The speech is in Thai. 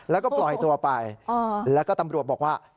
แล้วก็ปล่อยตัวไปแล้วก็ตำรวจบอกว่า